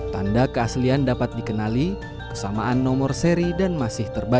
tanda keaslian dapat dikenali kesamaan nomor seri dan masih terbaik